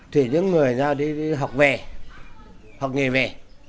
thì những người ra đi học về học nghề về